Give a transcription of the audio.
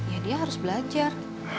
ya dia harus belajar